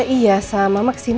iya sama maksin